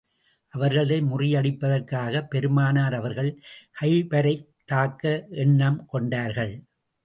அவர்களை முறியடிப்பதற்காகப் பெருமானார் அவர்கள் கைபரைத் தாக்க எண்ணம் கொண்டார்கள்.